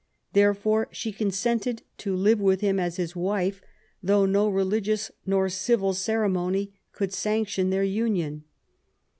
Therefore she con sented to live with him as his wife, though no religious nor civil ceremony could sanction their union.